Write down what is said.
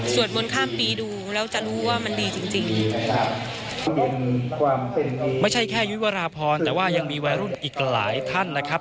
บนข้ามปีดูแล้วจะรู้ว่ามันดีจริงจริงไม่ใช่แค่ยุวราพรแต่ว่ายังมีวัยรุ่นอีกหลายท่านนะครับ